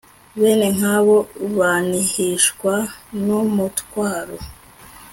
Bene nkabo banihishwa numutwaro